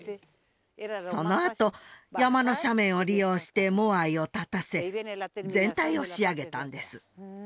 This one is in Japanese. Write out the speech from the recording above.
そのあと山の斜面を利用してモアイを立たせ全体を仕上げたんです